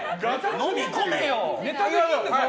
飲み込めよ！